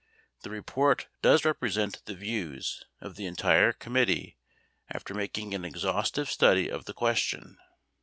The report does represent the views of the entire committee after making an exhaustive study of the question.